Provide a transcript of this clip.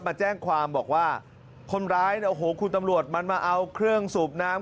มาแจ้งความบอกว่าคนร้ายเนี่ยโอ้โหคุณตำรวจมันมาเอาเครื่องสูบน้ำ